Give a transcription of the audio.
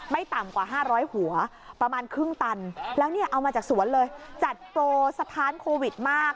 ต่ำกว่า๕๐๐หัวประมาณครึ่งตันแล้วเนี่ยเอามาจากสวนเลยจัดโปรสถานโควิดมาก